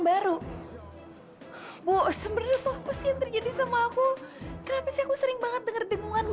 baru baru bose berdepan pesi terjadi sama aku kenapa sih aku sering banget denger dengungan